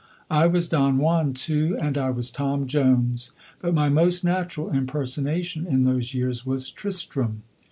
I was Don Juan too, and I was Tom Jones; but my most natural impersonation in those years was Tristram.